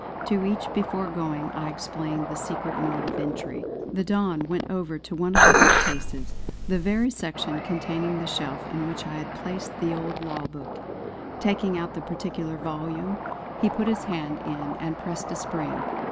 To each before going I explained the secret mode of entry. The Don went over to one of the book cases the very section containing the shelf in which I had replaced the old law book. Taking out that particular volume, he put his hand in and pressed a spring.